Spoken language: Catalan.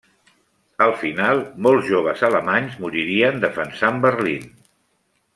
Al final, molts joves alemanys moririen defensant Berlín.